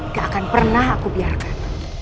gak akan pernah aku biarkan